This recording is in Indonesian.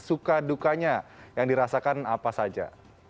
suka dukanya yang dirasakan apa saja